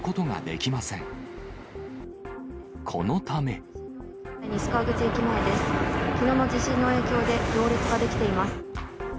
きのうの地震の影響で、行列が出来ています。